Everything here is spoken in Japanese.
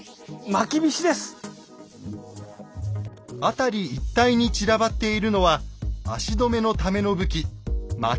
辺り一帯に散らばっているのは足止めのための武器ま